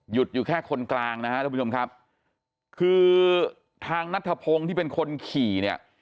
อยู่แค่คนกลางนะฮะท่านผู้ชมครับคือทางนัทธพงศ์ที่เป็นคนขี่เนี่ย